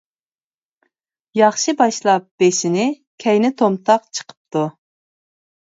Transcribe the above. ياخشى باشلاپ بېشىنى، كەينى تومتاق چىقىپتۇ.